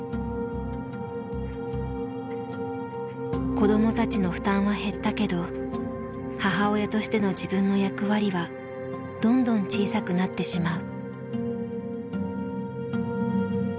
子どもたちの負担は減ったけど母親としての自分の役割はどんどん小さくなってしまう。